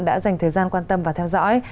đã dành thời gian quan tâm và theo dõi